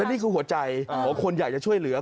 แล้วนี่คือหัวใจอ่าว่าคนอยากจะช่วยเหลือ